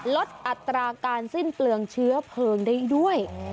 ลดอัตราการซื่นเกลืองเชื้อเผลงได้ด้วย